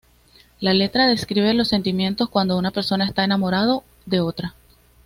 La letra describe los sentimientos cuando una persona está enamorado de otra.